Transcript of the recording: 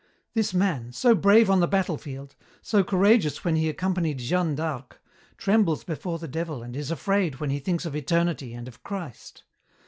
This man, so brave on the battlefield, so courageous when he accompanied Jeanne d'Arc, trembles before the Devil and is afraid when he thinks of eternity and of Christ.